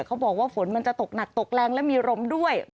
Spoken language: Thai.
เขาบอกว่าฝนมันจะตกหนักตกแรงและมีลมด้วย